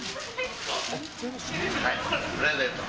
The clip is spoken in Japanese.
はい、プレゼント。